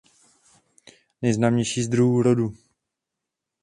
Nejznámější z druhů rodu.